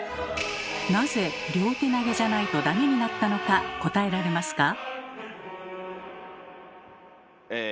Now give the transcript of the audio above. なぜ両手投げじゃないとダメになったのか答えられますか？